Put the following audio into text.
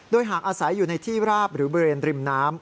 โดยหากอาศัยอยู่ในที่ราบหรือบริเวณริมน้ำ